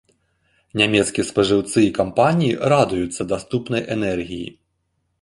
Нямецкія спажыўцы і кампаніі радуюцца даступнай энергіі.